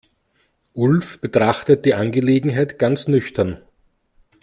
Ulf betrachtet die Angelegenheit ganz nüchtern.